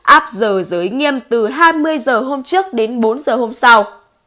áp giờ giới nghiêm từ hai mươi h hôm trước đến bốn giờ hôm sau